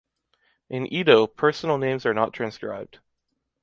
In Ido personal names are not transcribed.